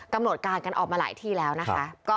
กำหนดการกันออกมาหลายที่แล้วนะคะ